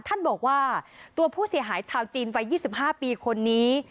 ท่านบอกว่าตัวผู้เสียหายชาวจีนวัย๒๕ปีคนนี้